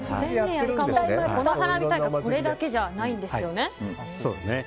この花火大会これだけじゃないんですよね。